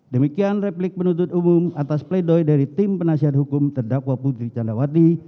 demikian replik penuntut umum atas pledoi dari tim penasihat hukum terdakwa putri candrawati